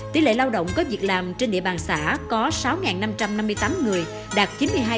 tỷ lệ lao động có việc làm trên địa bàn xã có sáu năm trăm năm mươi tám người đạt chín mươi hai tám mươi năm